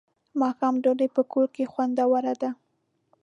ماښام ډوډۍ په کور کې خوندوره ده.